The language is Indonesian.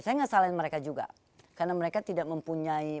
saya tidak salahin mereka juga karena mereka tidak mempunyai